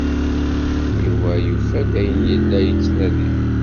Yuba yufa-d ayen ay yella yettnadi.